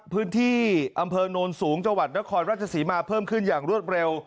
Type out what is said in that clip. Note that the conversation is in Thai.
พื้นที่อำเภอโนนสูงจังหวัดนครราชศรีมาเพิ่มขึ้นอย่างรวดเร็ว